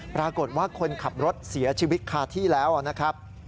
ปรากฏว่าคนขับรถเสียชีวิตคาที่แล้วนะครับ